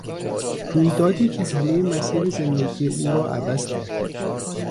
رویدادی که همهی مسیر زندگی او را عوض کرد.